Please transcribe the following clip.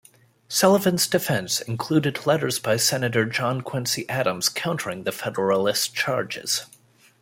Sullivan's defense included letters by Senator John Quincy Adams countering the Federalist charges.